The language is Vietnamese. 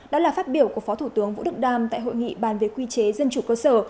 đó là phát biểu của phó thủ tướng vũ đức đam tại hội nghị bàn về quy chế dân chủ cơ sở